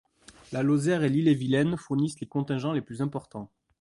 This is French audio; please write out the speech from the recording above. La Lozère et l’Ille-et-Villaine fournissent les contingents les plus importants.